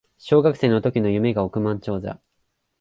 小学生の時の夢が億万長者